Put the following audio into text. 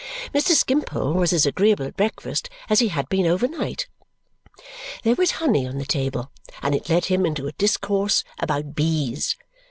Mr. Skimpole was as agreeable at breakfast as he had been overnight. There was honey on the table, and it led him into a discourse about bees.